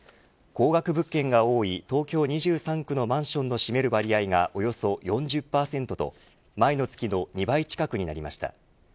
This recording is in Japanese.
高額物件が多い東京２３区のマンションの占める割合がおよそ４０％と前の月の２倍近くになりました。